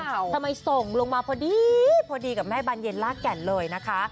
ทำไมส่งลงมาพอดีพอดีกับแม่บานเย็นลากแก่นเลยนะคะ